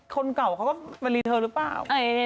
คนเก่าเขาก็มารีเทิร์นหรือเปล่า